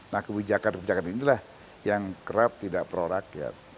nah kebijakan kebijakan inilah yang kerap tidak pro rakyat